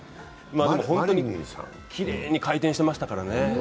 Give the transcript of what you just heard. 本当にきれいに回転していましたからね。